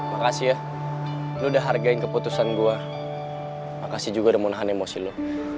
makasih ya lu udah hargain keputusan gue makasih juga udah munahan emosi lo